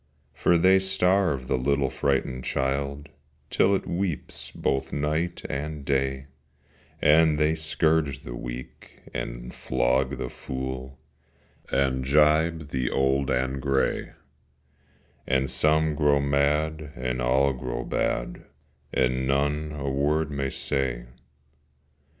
For they starve the little frightened child Till it weeps both night and day: And they scourge the weak, and flog the fool, And gibe the old and grey, And some grow mad, and all grow bad, And none a word may say.